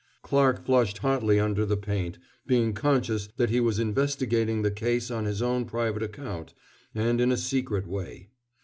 Clarke flushed hotly under the paint, being conscious that he was investigating the case on his own private account and in a secret way.